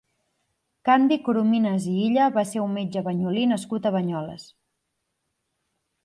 Candi Corominas i Illa va ser un metge banyolí nascut a Banyoles.